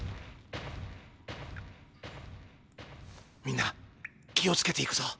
みんな気をつけて行くぞ。